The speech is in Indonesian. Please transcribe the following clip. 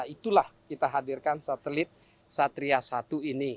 itulah kita hadirkan satelit satria satu ini